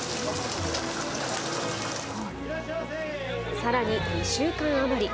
さらに２週間余り。